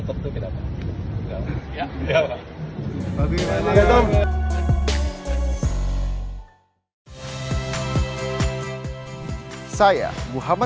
nggak ada yang warna